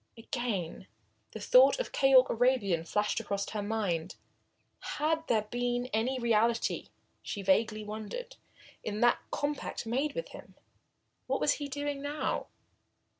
Again the thought of Keyork Arabian flashed across her mind. Had there been any reality, she vaguely wondered, in that compact made with him? What was she doing now?